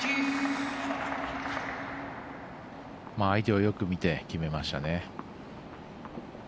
相手をよく見て決めましたね。